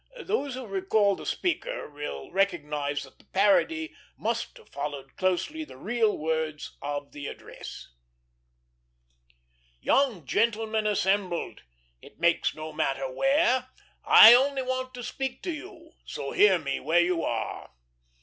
Those who recall the speaker will recognize that the parody must have followed closely the real words of the address: "Young gentlemen assembled! It makes no matter where I only want to speak to you, So hear me where you are.